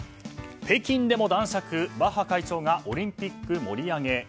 北京でも男爵バッハ会長がオリンピック盛り上げ。